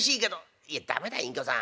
いや駄目だ隠居さん。